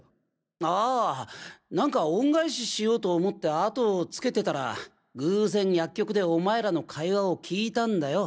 ああなんか恩返ししようと思って跡をつけてたら偶然薬局でお前らの会話を聞いたんだよ。